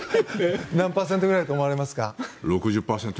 何パーセントぐらいだと思われますか？